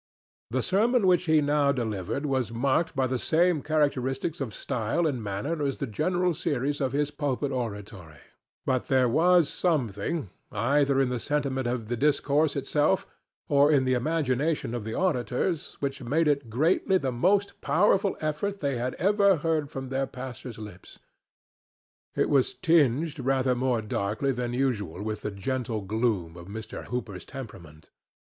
The sermon which he now delivered was marked by the same characteristics of style and manner as the general series of his pulpit oratory, but there was something either in the sentiment of the discourse itself or in the imagination of the auditors which made it greatly the most powerful effort that they had ever heard from their pastor's lips. It was tinged rather more darkly than usual with the gentle gloom of Mr. Hooper's temperament.